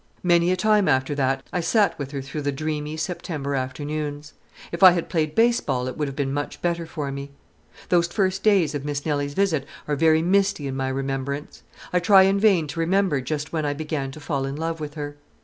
Many a time after that I sat with her through the dreamy September afternoons. If I had played baseball it would have been much better for me. Those first days of Miss Nelly's visit are very misty in my remembrance. I try in vain to remember just when I began to fall in love with her.